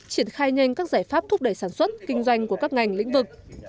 triển khai nhanh các giải pháp thúc đẩy sản xuất kinh doanh của các ngành lĩnh vực